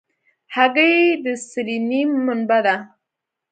هګۍ د سلینیم منبع ده.